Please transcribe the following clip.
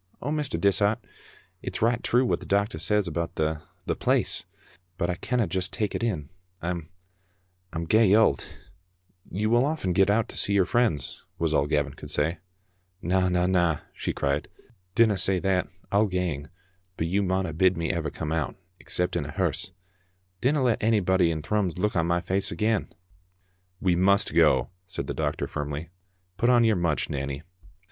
Oh, Mr. Dishart, it's richt true what the doctor says about the — the place, but I canna just take it in. I'm — I'm gey >uld." Digitized by VjOOQ IC m CDe »ttte A(nf0ter. "You will often get out to see your friends/' was all Gavin could say. "Na, na, na," she cried, "dinna say that; I'll gang, but you mauna bid me ever come out, except in a hearse. Dinna let onybody in Thrums look on my face again." " We must go, " said the doctor firmly. " Put on your mutch, Nanny."